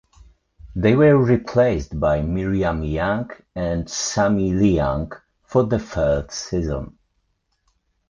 They were replaced by Miriam Yeung and Sammy Leung for the third season.